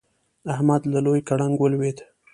احمد له لوی ګړنګ ولوېد.